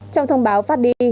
trong thông báo phát đi